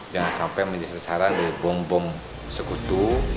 jangan sampai menjadi sasaran dari bom bom sekutu